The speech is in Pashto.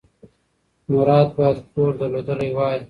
مراد باید کور درلودلی وای.